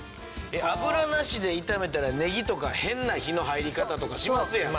油なしで炒めたらねぎとか変な火の入り方とかしますやん。